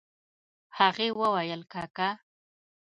هغې وويل کاکا.